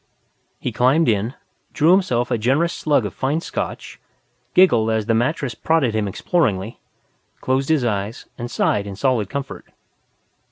He climbed in, drew himself a generous slug of fine Scotch, giggled as the mattress prodded him exploringly, closed his eyes and sighed in solid comfort.